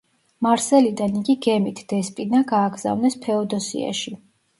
მარსელიდან იგი გემით „დესპინა“ გააგზავნეს ფეოდოსიაში.